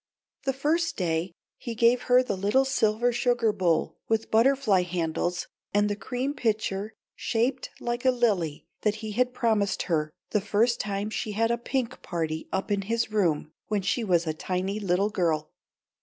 The first day he gave her the little silver sugar bowl with butterfly handles and the cream pitcher shaped like a lily that he had promised her the first time she had a "pink party" up in his room, when she was a tiny little girl.